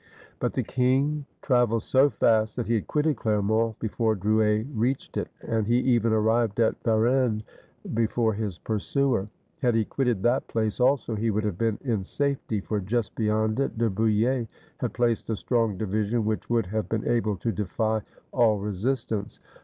But the king traveled so fast that he had quitted Clermont before Drouet reached it, and he even arrived at Va rennes before his pursuer. Had he quitted that place also, he would have been in safety, for just beyond it De Bouille had placed a strong division which would have been able to defy all resistance.